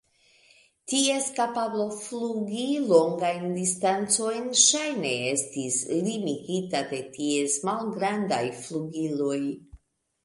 Ties kapablo flugi longajn distancojn ŝajne estis limigita de ties malgrandaj flugiloj.